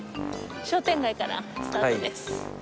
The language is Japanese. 商店街からスタートです。